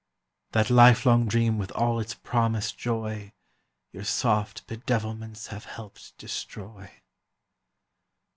That lifelong dream with all its promised joy Your soft bedevilments have helped destroy.